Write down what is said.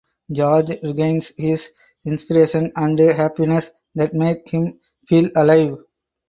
George regains his inspiration and happiness that make him feel alive.